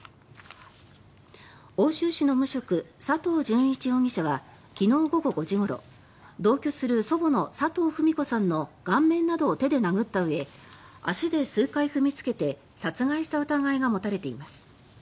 奥州市の無職・佐藤順一容疑者は昨日午後５時ごろ同居する祖母の佐藤フミ子さんの顔面などを殴ったうえ足で数回踏みつけて殺害した疑いが持たれています。